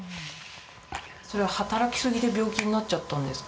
それは働きすぎで病気になっちゃったんですか？